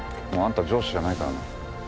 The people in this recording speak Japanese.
もうあんたは上司じゃないからな。